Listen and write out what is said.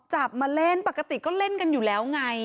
มาเล่นปกติก็เล่นกันอยู่แล้วไง